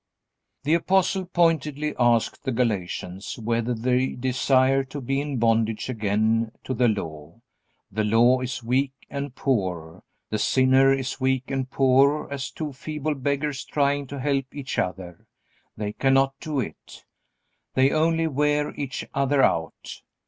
The Apostle pointedly asks the Galatians whether they desire to be in bondage again to the Law. The Law is weak and poor, the sinner is weak and poor two feeble beggars trying to help each other. They cannot do it. They only wear each other out.